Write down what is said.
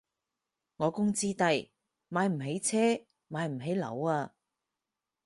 我工資低，買唔起車買唔起樓啊